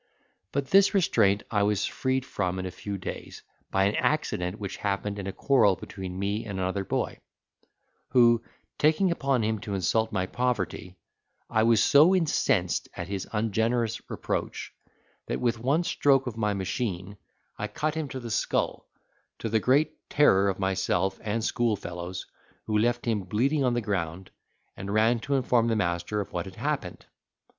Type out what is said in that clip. But this restraint I was freed from in a few days, by an accident which happened in a quarrel between me and another boy; who, taking upon him to insult my poverty, I was so incensed at his ungenerous reproach that with one stroke with my machine I cut him to the skull, to the great terror of myself and schoolfellows, who left him bleeding on the ground, and ran to inform the master of what had happened.